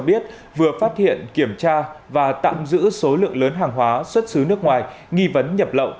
biết vừa phát hiện kiểm tra và tạm giữ số lượng lớn hàng hóa xuất xứ nước ngoài nghi vấn nhập lậu